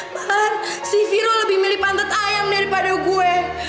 bahan si viro lebih milih pantat ayam daripada gue